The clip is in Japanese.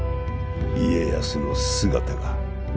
家康の姿が。